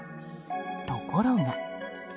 ところが。